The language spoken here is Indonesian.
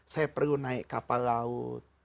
saya perlu naik kapal laut